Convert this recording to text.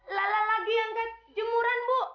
lala lagi yang ngejemuran bu